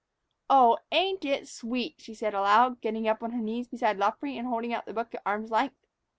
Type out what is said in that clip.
"Oh, ain't it sweet!" she said aloud, getting up on her knees beside Luffree and holding out the book at arm's length.